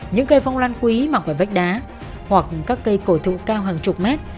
những cây phong lan quý mặc vải vách đá hoặc các cây cổ thụ cao hàng chục mét